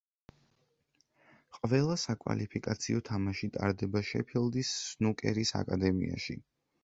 ყველა საკვალიფიკაციო თამაში ტარდება შეფილდის სნუკერის აკადემიაში.